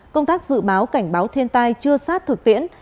công tác dự báo cảnh báo thiên tai chưa sát thực tiễn